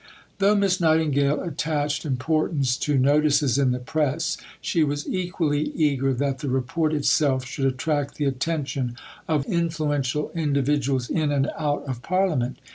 _ Though Miss Nightingale attached importance to notices in the press, she was equally eager that the Report itself should attract the attention of influential individuals in and out of Parliament.